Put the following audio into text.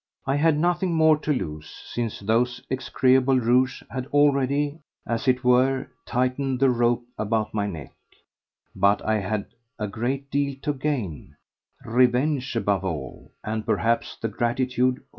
I had nothing more to lose, since those execrable rogues had already, as it were, tightened the rope about my neck, but I had a great deal to gain—revenge above all, and perhaps the gratitude of M.